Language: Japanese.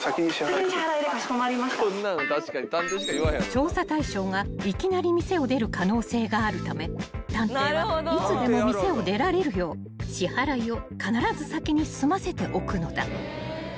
［調査対象がいきなり店を出る可能性があるため探偵はいつでも店を出られるよう支払いを必ず先に済ませておくのだ］